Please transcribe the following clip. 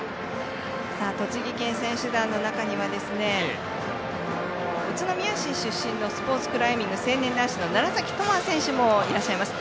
栃木県選手団の中には宇都宮市出身のスポーツクライミング成年男子楢崎智亜選手もいらっしゃいます。